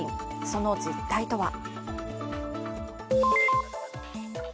その実態とは。